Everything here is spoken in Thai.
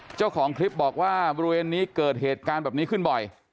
เจ้าของคลิปบอกว่าบริเวณนี้เกิดเหตุการณ์แบบนี้ขึ้นบ่อย